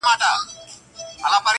راسه ماښامیاره نن یو څه شراب زاړه لرم.